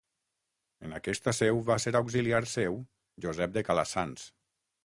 En aquesta seu va ser auxiliar seu Josep de Calassanç.